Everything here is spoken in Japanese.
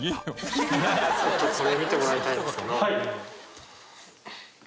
ちょっとこれ見てもらいたいんですけど。